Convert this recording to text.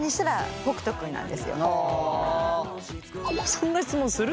そんな質問する？